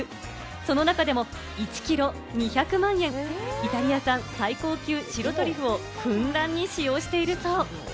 その中でも１キロ２００万円、イタリア産最高級白トリュフをふんだんに使用しているそう。